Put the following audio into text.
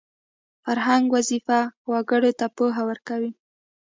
فرهنګ وظیفه وګړو ته پوهه ورکوي